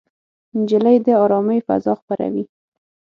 نجلۍ د ارامۍ فضا خپروي.